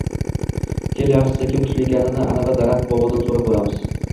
kel yaxshisi kim kuchli ekanini anavi daraxt bobodan so‘rab ko‘ramiz